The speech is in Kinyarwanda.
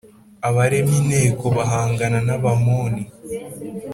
abarema inteko bahangana n’Abamoni.